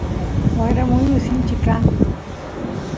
wayra muyu sinchi kan